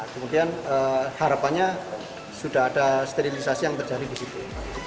kemudian harapannya sudah ada sterilisasi yang terjadi di situ